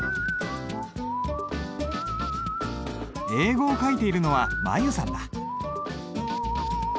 英語を書いているのは舞悠さんだ。